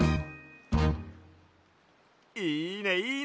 いいねいいね！